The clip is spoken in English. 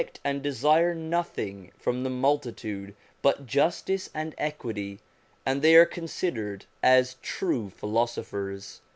342 SOME ANSWERED QUESTIONS and desire nothing from the multitude but justice and equity, and they are considered as true philosophers.'